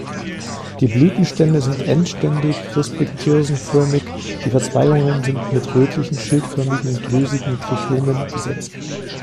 Die Blütenstände sind endständig, rispig-thyrsenförmig, die Verzweigungen sind mit rötlichen, schildförmigen, drüsigen Trichomen besetzt.